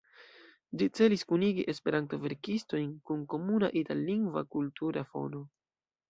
Ĝi celis kunigi Esperanto-verkistojn kun komuna itallingva kultura fono.